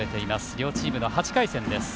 両チームの８回戦です。